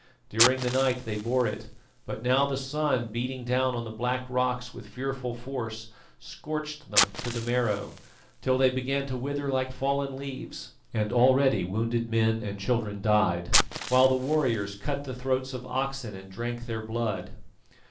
During the night they bore it; but now the sun beating down on the black rocks with fearful force scorched them to the marrow, till they began to wither like fallen leaves, and already wounded men and children died, while the warriors cut the throats of oxen and drank their blood.